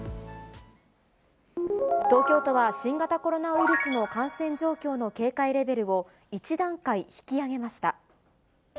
東京都は、新型コロナウイルスの感染状況の警戒レベルを１段階引き上げました。